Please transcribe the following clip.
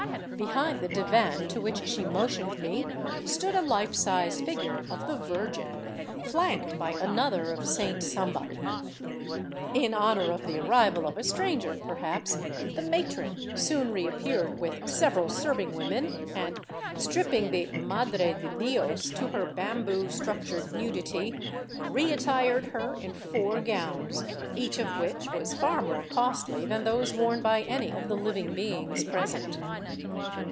Behind the divan to which she motioned me stood a life size figure of the Virgin, flanked by another of Saint Somebody. In honor of the arrival of a stranger, perhaps, the matron soon reappeared with several serving women and, stripping the " Madre de Dios" to her bamboo structured nudity, reattired her in four gowns, each of which was far more costly than those worn by any of the living beings pres ent.